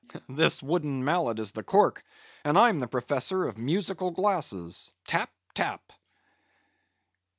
This wooden mallet is the cork, and I'm the professor of musical glasses—tap, tap!"